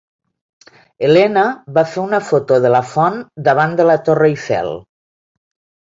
Elena va fer una foto de la font davant de la Torre Eiffel.